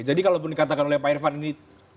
jadi kalau pun dikatakan oleh pak irvan ini